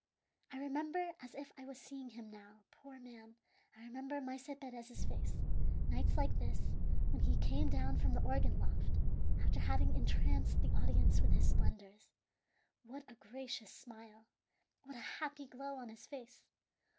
I remember, as if I was seeing him now, poor man I remember Maese Perez's face, nights like this, when he came down from the organ loft, after having entranced the audience with his splendors. What a gracious smile! What a happy glow on his face!